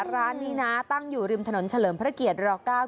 ร้านนี้นะตั้งอยู่ริมถนนเฉลิมพระเกียรติร๙